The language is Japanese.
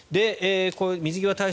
水際対策